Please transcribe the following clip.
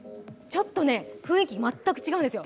雰囲気、全く違うんですよ。